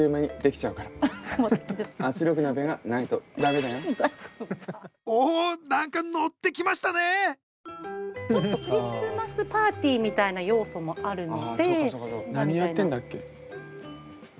ちょっとクリスマスパーティーみたいな要素もあるので。